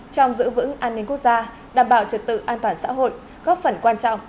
trong giữ vững an ninh quốc gia đảm bảo trật tự an toàn xã hội góp phần quan trọng